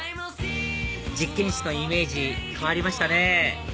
実験室のイメージ変わりましたね